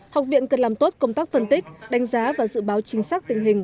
học viện cần làm tốt công tác phân tích đánh giá và dự báo chính xác tình hình